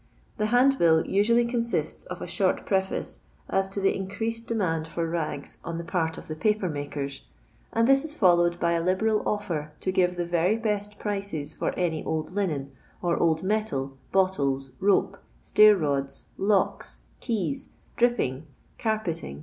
The band bill usually consists of a short preface as to the in creased demand for rags on the part of the paper makers, and this is followed by a liberal offer to give the very best prices for any old linen, or old metal, bottles, rope, stair rods, locks, keys, drip ping, carpeting, &c.